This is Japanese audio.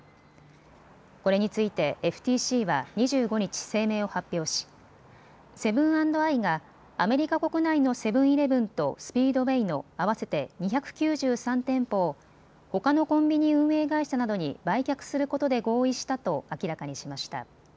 これについてＦＴＣは２５日、声明を発表しセブン＆アイがアメリカ国内のセブンイレブンとスピードウェイの合わせて２９３店舗をほかのコンビニ運営会社などに売却することで合意したと明らかにしました。